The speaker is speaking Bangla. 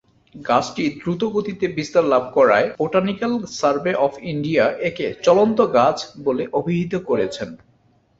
গাছটি দ্রুত গতিতে বিস্তার লাভ করায়, বোটানিক্যাল সার্ভে অফ ইন্ডিয়া একে "চলন্ত গাছ" বলে অভিহিত করেছে।